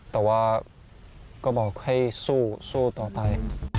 แต่ว่าก็บอกให้สู้ต่อไป